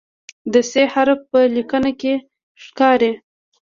د "ث" حرف په لیکنه کې ښکاري.